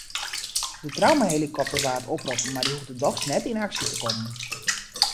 De traumahelikopter waard oproppen mar dy hoegde dochs net yn aksje te kommen.